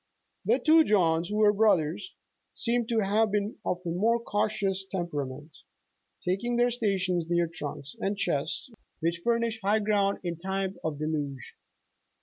The two Johns, who were brothers, seem to have been of a more cautions temperament, taking their stations near trunks and chests which furnished high ground in time of dehige.